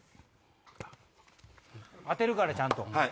当てるからちゃんと。